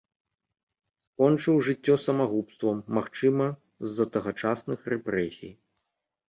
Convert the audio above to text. Скончыў жыццё самагубствам, магчыма, з-за тагачасных рэпрэсій.